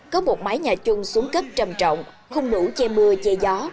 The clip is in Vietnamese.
có một mái nhà chung xuống cấp trầm trọng không đủ che mưa che gió